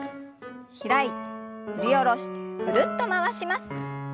開いて振り下ろしてぐるっと回します。